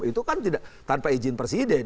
itu kan tidak tanpa izin presiden